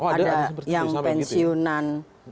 ada yang pensiunan